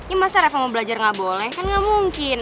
ya masa reva mau belajar gak boleh kan gak mungkin